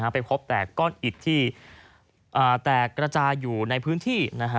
ไปพบแต่ก้อนอิดที่แตกกระจายอยู่ในพื้นที่